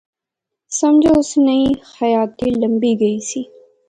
سمجھو اس نئی حیاتی لبی گئی سی